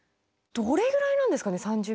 どれぐらいなんですかね？